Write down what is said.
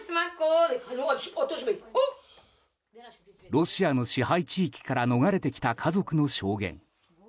ロシアの支配地域から逃れてきた家族の証言。